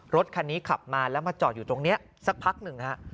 รถคันนี้ขับมาแล้วมาจอดอยู่ตรงนี้สักพักหนึ่งฮะ